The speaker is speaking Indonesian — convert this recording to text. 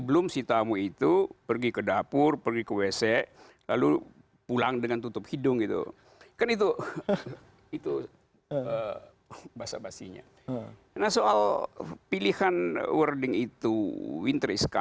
pemilu itu feodal apakah sandiaga uno bermaksud untuk mengembalikan feodalisme di indonesia